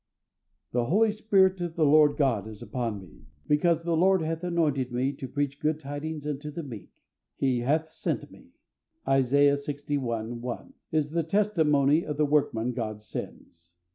"THE Spirit of the Lord God is upon Me; because the Lord hath anointed Me to preach good tidings unto the meek; He hath sent Me" (Isaiah lxi. 1), is the testimony of the workman God sends.